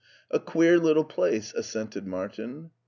A queer little place/' assented Martin.